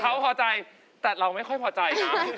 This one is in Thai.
เขาพอใจแต่เราไม่ค่อยพอใจนะ